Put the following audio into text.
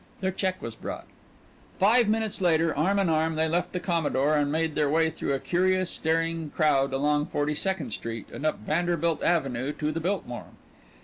Their check was brought. Five minutes later, arm in arm, they left the Commodore and made their way through a curious, staring crowd along Forty second Street, and up Vanderbilt Avenue to the Biltmore.